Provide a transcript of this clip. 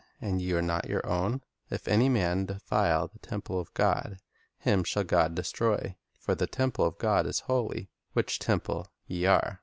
and ye are not your own." The Body "If any man defile the temple of God, him shall God Dweiung pUc destroy; for the temple of God is hoi}', which temple ye are."